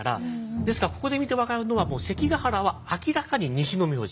ですからここで見て分かるのは関ケ原は明らかに西の名字。